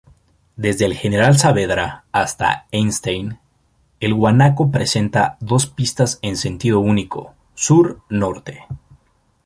Desde General Saavedra hasta Einstein, El Guanaco presenta dos pistas en sentido único sur-norte.